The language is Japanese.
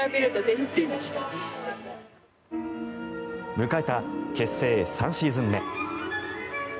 迎えた結成３シーズン目。